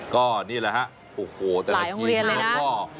ก็นี่แหละฮะโอ้โฮแต่ละทีนี้ก็หลายโรงเรียนเลยนะ